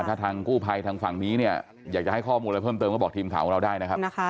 ถ้าทางกู้ภัยทางฝั่งนี้เนี่ยอยากจะให้ข้อมูลอะไรเพิ่มเติมก็บอกทีมข่าวของเราได้นะครับ